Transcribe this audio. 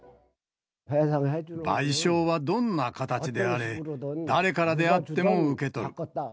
賠償はどんな形であれ、誰からであっても受け取る。